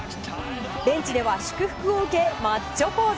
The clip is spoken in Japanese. ベンチでは、祝福を受けマッチョポーズ。